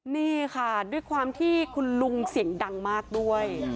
นี่ค่ะด้วยความที่คุณลุงเสียงดังมากด้วย